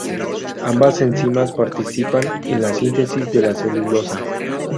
Ambas enzimas participan en la síntesis de la celulosa.